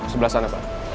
sebelah sana pak